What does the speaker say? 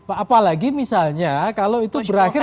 apalagi misalnya kalau itu berakhir